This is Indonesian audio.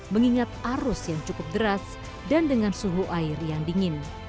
mengingat arus yang cukup deras dan dengan suhu air yang dingin